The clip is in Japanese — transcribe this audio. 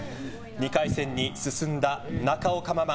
２回戦に進んだ中岡ママ